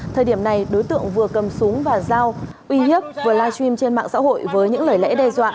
thời điểm này đối tượng vừa cầm súng và dao uy hiếp vừa live stream trên mạng xã hội với những lời lẽ đe dọa